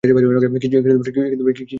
কী শুনতে চান আমার কাছ থেকে?